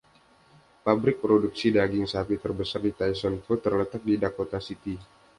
Pabrik produksi daging sapi terbesar Tyson Food terletak di Dakota City.